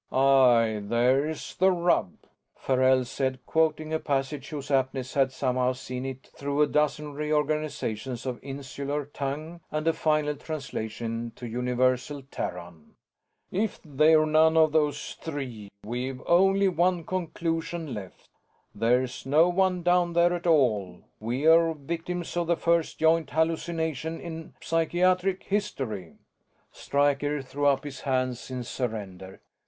"Aye, there's the rub," Farrell said, quoting a passage whose aptness had somehow seen it through a dozen reorganizations of insular tongue and a final translation to universal Terran. "If they're none of those three, we've only one conclusion left. There's no one down there at all we're victims of the first joint hallucination in psychiatric history." Stryker threw up his hands in surrender.